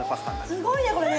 すごいね